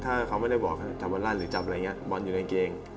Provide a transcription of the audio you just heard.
ถ้าเขาไม่ได้บอกว่าจับวันรั่นหรือจับอะไรอย่างนี้วันอยู่ในกางเกง